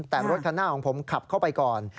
แต่รถคันหน้าของผมขับเข้าไปก่อน